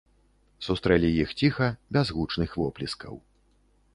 Сустрэлі іх ціха, без гучных воплескаў.